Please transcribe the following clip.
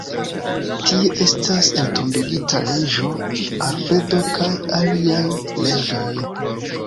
Tie estas entombigita reĝo Alfredo kaj aliaj reĝoj.